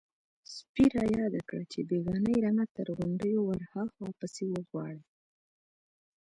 _سپي را ياده کړه چې بېګانۍ رمه تر غونډيو ورهاخوا پسې وغواړئ.